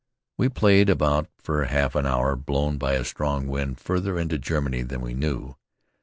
We played about for a half hour, blown by a strong wind farther into Germany than we knew.